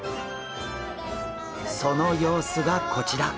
その様子がこちら。